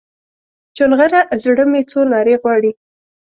چونغره زړه مې څو نارې غواړي